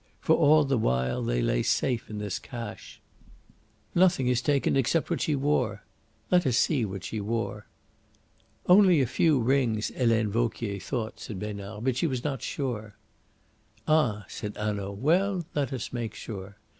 For all the while they lay safe in this cache. Nothing is taken except what she wore. Let us see what she wore." "Only a few rings, Helene Vauquier thought," said Besnard. "But she was not sure." "Ah!" said Hanaud. "Well, let us make sure!"